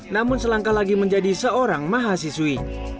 namun selangkah lagi menjadi seorang mahasiswi